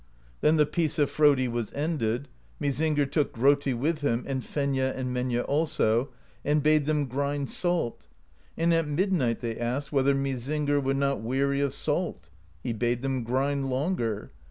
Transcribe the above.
Then the Peace of Frodi was ended. Mysingr took Grotti with him, and Fenja and Menja also, and bade them grind salt. And at midnight they asked whether Mysingr were not weary of salt. He bade them grind longer.